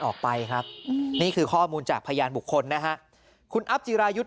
ออกไปครับนี่คือข้อมูลจากพยานบุคคลนะฮะคุณอัพจิรายุทธ์